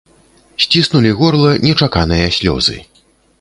Сціснулі горла нечаканыя слёзы.